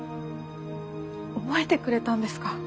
覚えてくれたんですか？